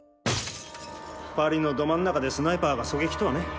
パリのど真ん中でスナイパーが狙撃とはね。